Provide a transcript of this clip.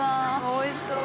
おいしそう。